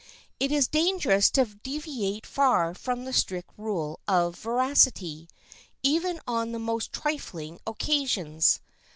It is dangerous to deviate far from the strict rule of veracity, even on the most trifling occasions.